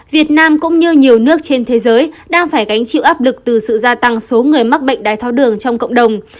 việt nam cũng như nhiều nước trên thế giới đang phải gánh chịu áp lực từ sự gia tăng số người mắc bệnh đái tháo đường trong cộng đồng